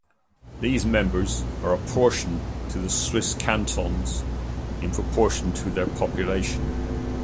These members are apportioned to the Swiss cantons in proportion to their population.